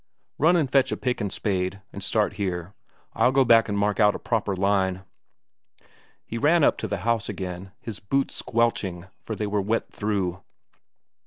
Run and fetch a pick and spade, and start here; I'll go back and mark out a proper line." He ran up to the house again, his boots squelching, for they were wet through.